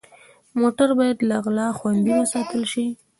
موټر باید له غلا خوندي وساتل شي.